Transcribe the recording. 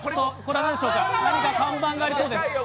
看板がありそうです。